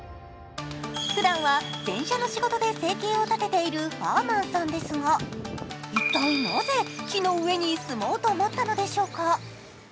ふだんは洗車の仕事で生計を立てているファーマンさんですが一体、なぜ木の上に住もうと思ったのでしょうか？